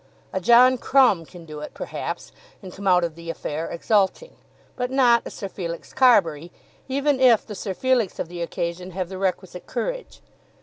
A John Crumb can do it, perhaps, and come out of the affair exulting; but not a Sir Felix Carbury, even if the Sir Felix of the occasion have the requisite courage.